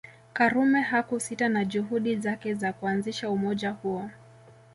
Karume hakusita na juhudi zake za kuanzisha umoja huo